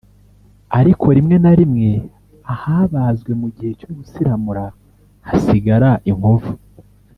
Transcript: ariko rimwe na rimwe ahabazwe mu gihe cyo gusiramura hasigara inkovu